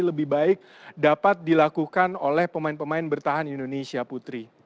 lebih baik dapat dilakukan oleh pemain pemain bertahan indonesia putri